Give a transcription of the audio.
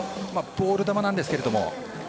ボール球なんですけど。